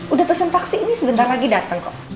udah pesen taksi ini sebentar lagi datang kok